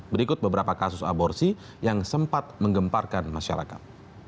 berikut beberapa kasus aborsi yang sempat menggemparkan masyarakat